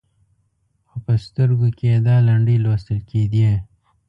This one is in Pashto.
خو په سترګو کې یې دا لنډۍ لوستل کېدې.